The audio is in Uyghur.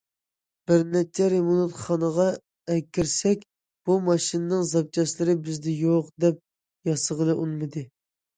بىر نەچچە رېمونتخانىغا ئەكىرسەك، بۇ ماشىنىنىڭ زاپچاسلىرى بىزدە يوق، دەپ ياسىغىلى ئۇنىمىدى.